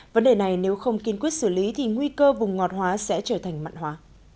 vấn đề này nếu không kiên quyết xử lý thì nguy cơ vùng ngọt hóa sẽ trở thành mặn hóa